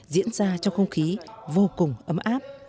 diễn ra trong không khí vô cùng ấm áp